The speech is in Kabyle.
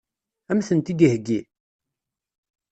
Ad m-tent-id-iheggi?